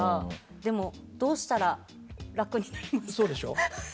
でも、どうしたら楽になりますか？